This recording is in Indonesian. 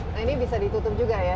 nah ini bisa ditutup juga ya